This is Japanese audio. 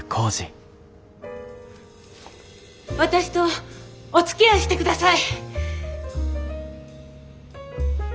私とおつきあいしてください。